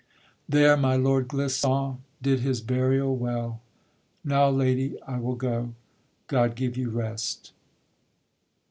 There my Lord Clisson did his burial well. Now, lady, I will go: God give you rest!